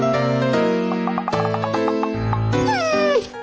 สวัสดีค่ะ